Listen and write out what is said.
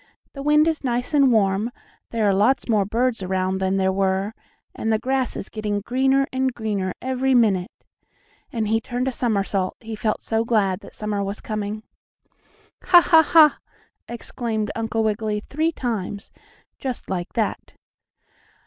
"The wind is nice and warm, there are lots more birds around than there were, and the grass is getting greener and greener every minute," and he turned a somersault, he felt so glad that summer was coming. "Ha! Ha! Ha!" exclaimed Uncle Wiggily, three times, just like that.